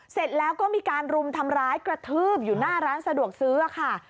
เสร็จแล้วก็มีการรุมทำร้ายกระทืบอยู่หน้าร้านสะดวกซื้อค่ะ